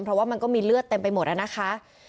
เพราะว่ามันก็มีเลือดเต็มไปหมดอะนะคะ